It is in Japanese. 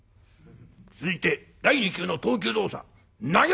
続いて第２球の投球動作投げました！